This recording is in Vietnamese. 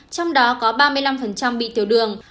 trong đó có ba mươi năm bị tiểu đường